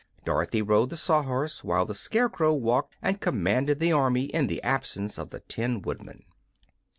Dorothy rode the Sawhorse, while the Scarecrow walked and commanded the army in the absence of the Tin Woodman.